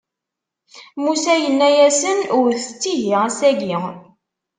Musa yenna-yasen: wwtet-tt ihi, ass-agi.